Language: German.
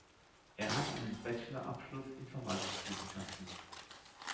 Er hat einen Bachelor-Abschluss in Verwaltungswissenschaften.